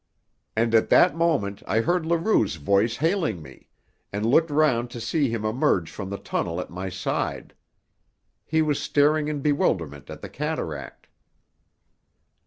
And at that moment I heard Leroux's voice hailing me, and looked round to see him emerge from the tunnel at my side. He was staring in bewilderment at the cataract.